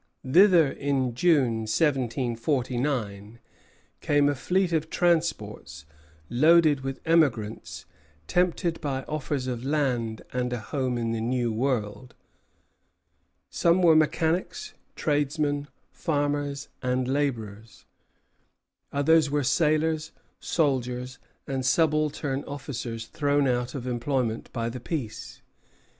Thither in June, 1749, came a fleet of transports loaded with emigrants, tempted by offers of land and a home in the New World. Some were mechanics, tradesmen, farmers, and laborers; others were sailors, soldiers, and subaltern officers thrown out of employment by the peace.